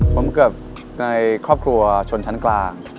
ผมเกือบในครอบครัวชนชั้นกลาง